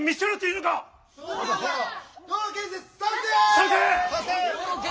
賛成！